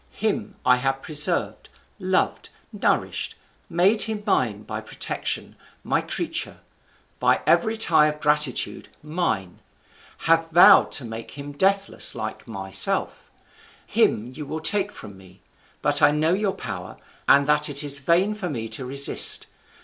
Him I have preserved, loved, nourished; made him mine by protection, my creature; by every tie of gratitude, mine; have vowed to make him deathless like myself; him you will take from me. But I know your power, and that it is vain for me to resist.